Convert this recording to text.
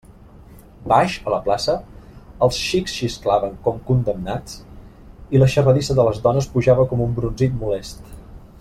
Baix, a la plaça, els xics xisclaven com condemnats i la xarradissa de les dones pujava com un brunzit molest.